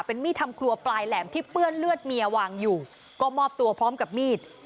เป็นมีดทำครัวปลายแหลมที่เปื้อนเลือดเมียวางอยู่ก็มอบตัวพร้อมกับมีด